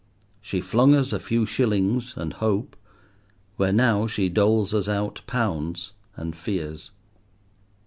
She flung us a few shillings and hope, where now she doles us out pounds and fears.